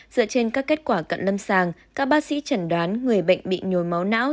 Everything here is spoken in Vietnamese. dựa trên các kết quả cận lâm sàng các bác sĩ chẩn đoán người bệnh bị nhồi máu não